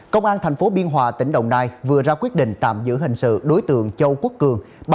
công an tp biên hòa tỉnh đồng nai vừa ra quyết định tạm giữ hình sự đối tượng châu quốc cường